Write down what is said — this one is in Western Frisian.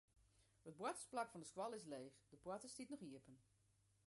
It boartersplak fan de skoalle is leech, de poarte stiet noch iepen.